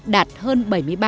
đạt hơn bảy mươi ba